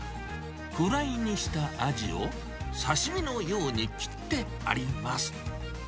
フライにしたアジを、刺身のように切ってあります。